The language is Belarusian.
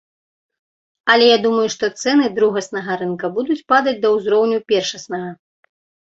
Але я думаю, што цэны другаснага рынка будуць падаць да ўзроўню першаснага.